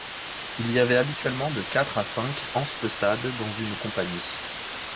Il y avait habituellement de quatre à cinq anspessades dans une compagnie.